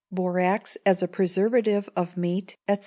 Borax as a Preservative of Meat, &c.